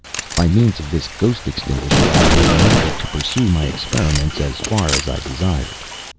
By means of this ghost extinguisher I was enabled to pursue my experiments as far as I desired.